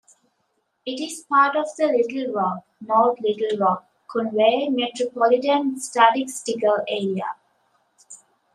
It is part of the Little Rock-North Little Rock-Conway Metropolitan Statistical Area.